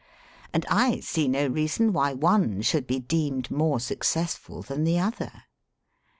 And I see no reason why one should be deemed more successful than the other.